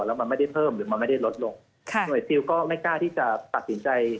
แล้วมันไม่ได้เพิ่มหรือมันไม่ได้ลดลงค่ะหน่วยซิลก็ไม่กล้าที่จะตัดสินใจ